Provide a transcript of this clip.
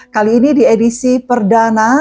kali ini di edisi perdana